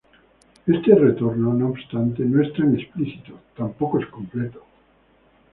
Este retorno, no obstante, no es tan explícito, tampoco es completo.